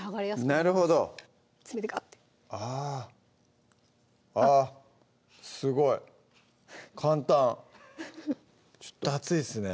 なるほど爪でガッてあぁあっすごい簡単ちょっと熱いですね